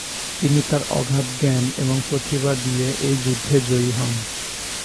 তিনি তার অগাধ জ্ঞান এবং প্রতিভা দিয়ে এই যুদ্ধে জয়ী হন।